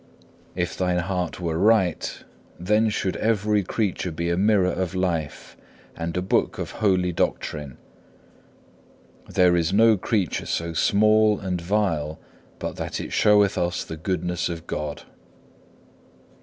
If thine heart were right, then should every creature be a mirror of life and a book of holy doctrine. There is no creature so small and vile but that it showeth us the goodness of God.